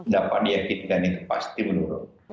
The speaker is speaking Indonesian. dapat diyakinkan itu pasti menurun